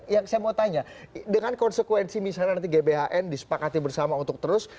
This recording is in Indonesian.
yang saya mau tanya dengan konsekuensi misalnya nanti gbhn disepakati bersama untuk terus